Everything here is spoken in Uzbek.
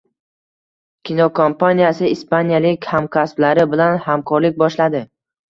Kinokompaniyasi ispaniyalik hamkasblari bilan hamkorlik boshladi